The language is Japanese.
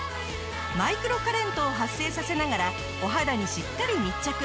マイクロカレントを発生させながらお肌にしっかり密着。